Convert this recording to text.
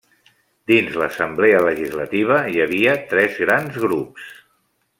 Dins l'Assemblea Legislativa hi havia tres grans grups.